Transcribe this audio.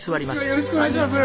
よろしくお願いします。